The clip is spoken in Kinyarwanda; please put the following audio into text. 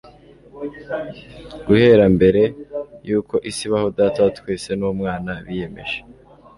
Guhera mbere yuko isi ibaho Data wa twese n'Umwana biyemeje